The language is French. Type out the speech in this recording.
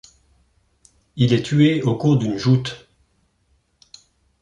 Il est tué au cours d'une joute.